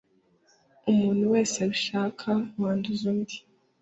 umuntu wese abishaka wanduza undi